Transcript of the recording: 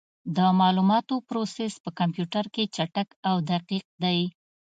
د معلوماتو پروسس په کمپیوټر کې چټک او دقیق دی.